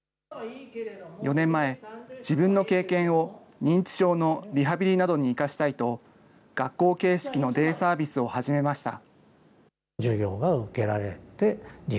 ４年前、自分の経験を、認知症のリハビリなどに生かしたいと、学校形式のデイサービスを始めました。